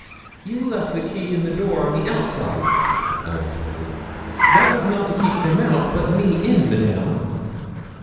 'You left the key in the door on the outside,' I retorted; 'that was not to keep them out, but me in, Madame.'